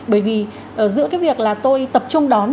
bởi vì giữa cái việc là tôi tập trung đón